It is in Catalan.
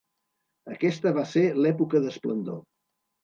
Aquesta va ser l'època d'esplendor.